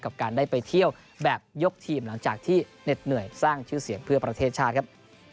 กับการได้ไปเที่ยวแบบยกทีมหลังจากที่เหน็ดเหนื่อยสร้างชื่อเสียงเพื่อประเทศชาติครับ